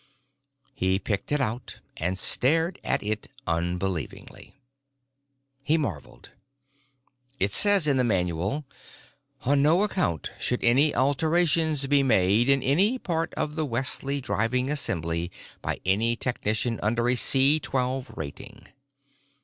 He picked it out and stared at it unbelievingly. He marveled, "It says in the manual, 'On no account should any alterations be made in any part of the Wesley driving assembly by any technician under a C Twelve rating.